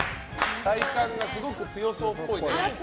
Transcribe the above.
体幹がすごく強そうっぽいね。